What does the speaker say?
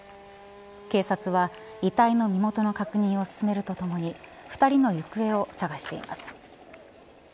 警察は遺体の身元の確認を進めるとともに２人の行方を探しています。